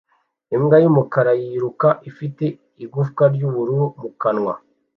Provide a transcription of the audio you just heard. Imbwa y'umukara yiruka ifite igufwa ry'ubururu mu kanwa